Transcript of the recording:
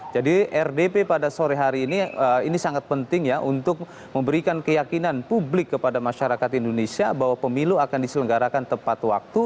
jadi rdp pada sore hari ini ini sangat penting ya untuk memberikan keyakinan publik kepada masyarakat indonesia bahwa pemilu akan diselenggarakan tepat waktu